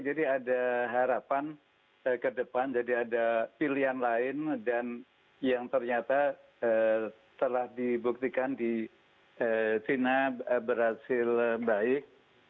jadi ada harapan ke depan jadi ada pilihan lain dan yang ternyata telah dibuktikan di sina berhasil baik